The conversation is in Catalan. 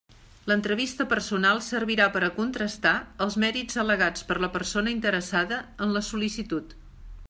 L'entrevista personal servirà per a contrastar els mèrits al·legats per la persona interessada, en la sol·licitud.